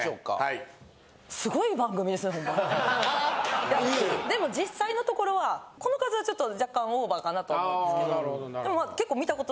いやでも実際のところはこの数はちょっと若干オーバーかなと思うんですけど。